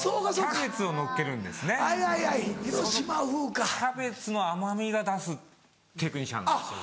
キャベツの甘みを出すテクニシャンなんですよ。